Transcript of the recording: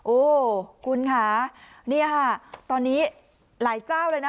โอ้คุณค่ะตอนนี้หลายเจ้าเลยนะ